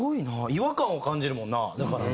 違和感を感じるもんなだから。